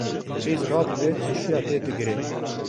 Qîz radibe teşiya dê digre